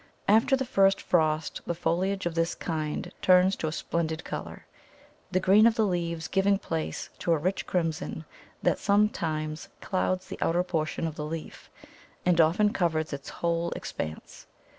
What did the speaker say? After the first frost the foliage of this kind turns to a splendid colour, the green of the leaves giving place to a rich crimson that sometimes clouds the outer portion of the leaf, and often covers its whole expanse.